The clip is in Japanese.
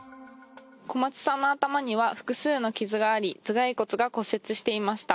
小松さんの頭には複数の傷があり頭がい骨が骨折していました。